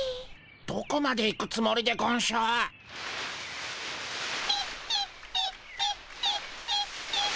どこまで行くつもりでゴンしょ？ピッピッピッピッピッピッ！